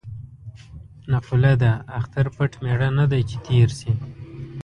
نقوله ده: اختر پټ مېړه نه دی چې تېر شي.